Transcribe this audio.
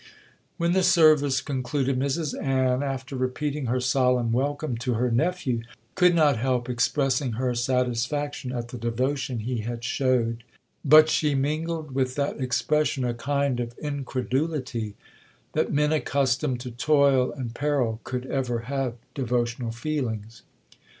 'When the service concluded, Mrs Ann, after repeating her solemn welcome to her nephew, could not help expressing her satisfaction at the devotion he had showed; but she mingled with that expression a kind of incredulity, that men accustomed to toil and peril could ever have devotional feelings.